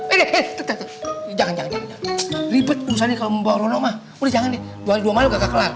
ini ini jangan jangan ribet urusan ini sama mbak ronok mah udah jangan nih dua hari dua malu gak kelar